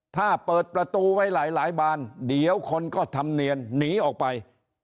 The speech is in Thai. ถ้าเปิดประตูไว้หลายบานเดี๋ยวคนก็ทำเนียนหนีออกไป